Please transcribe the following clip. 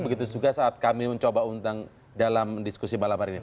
begitu juga saat kami mencoba undang dalam diskusi malam hari ini